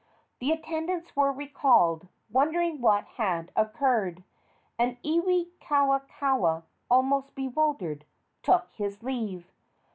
The attendants were recalled, wondering what had occurred, and Iwikauikaua, almost bewildered, took his leave.